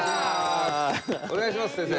お願いします先生。